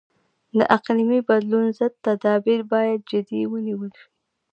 د اقلیمي بدلون ضد تدابیر باید جدي ونیول شي.